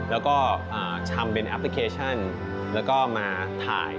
แล้วก็ทำเป็นแอปพลิเคชันแล้วก็มาถ่าย